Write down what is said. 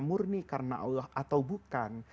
murni karena allah atau bukan